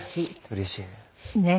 うれしいね。